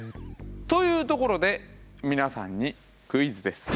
というところで皆さんにクイズです。